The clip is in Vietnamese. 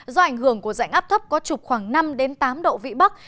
do ảnh hưởng của dạnh áp thấp có trục khoảng năm tám độ vị bắc